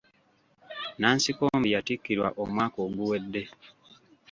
Nansikombi yatikkirwa omwaka oguwedde.